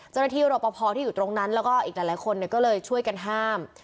เจ้าหน้าที่รบพอพอที่อยู่ตรงนั้นแล้วก็อีกหลายคนก็เลยช่วยกันห้าม